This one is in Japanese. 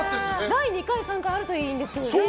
第２回、３回あるといいんですけど。